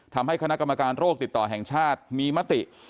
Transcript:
ทำให้คณะกรรมการโรคติดต่อแห่งชาติมีมติ